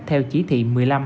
theo chỉ thị một mươi năm